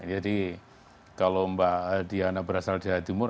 jadi kalau mbak aldiana berasal dari timur